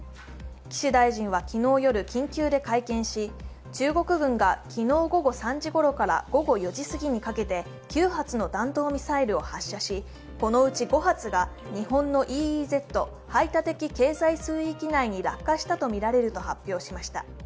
岸大臣は昨日夜、緊急で会見し、中国軍が昨日午後３時ごろから午後４時すぎにかけて９発の弾道ミサイルを発射し、このうち５発が日本のＥＥＺ＝排他的経済水域内に落下したとみられると発表しました。